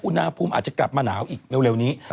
อุณหภูมิอาจจะกลับมาหนาวอีกเร็วนี้